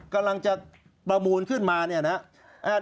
กำลังจะประมูลขึ้นมาเนี่ยนะครับ